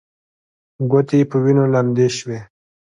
ګوتې يې په وينو لندې شوې.